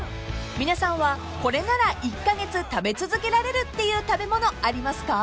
［皆さんはこれなら１カ月食べ続けられるっていう食べ物ありますか？］